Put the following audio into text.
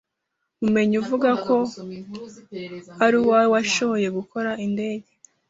muumenyi uvuga ko aruwawe washooye gukora indege